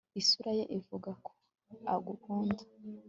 Isura ye ivuga ko agukunda